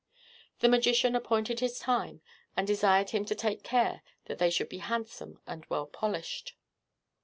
The magician appointed his time, and desired him to take care that they should be handsome and well polished.